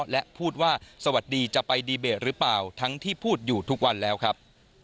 และพูดว่าสวัสดีจะไปดีเบตหรือเปล่าทั้งที่พูดอยู่ทุกวันแล้วครับ